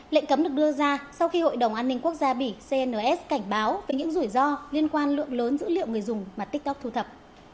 lệnh cấm được đưa ra sau khi hội đồng an ninh quốc gia bỉ cns cảnh báo về những rủi ro liên quan lượng lớn dữ liệu người dùng mà tiktok thu thập